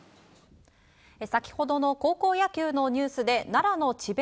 先ほどの高校野球のニュースで奈良の智弁